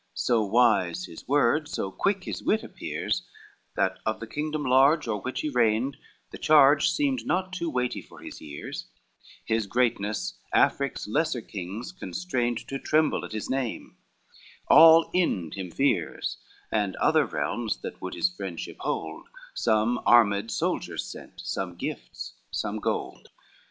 So wise his words, so quick his wit appears, That of the kingdom large o'er which he reigned, The charge seemed not too weighty for his years; His greatness Afric's lesser kings constrained To tremble at his name, all Ind him fears, And other realms that would his friendship hold; Some armed soldiers sent, some gifts, some gold.